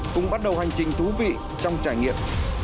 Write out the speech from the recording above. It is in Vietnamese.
cũng bắt đầu hành trình thú vị trong trải nghiệm